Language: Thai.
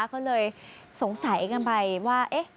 ก็เลยสงสัยกันไปว่า